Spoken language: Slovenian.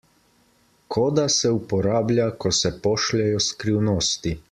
Koda se uporablja, ko se pošljejo skrivnosti.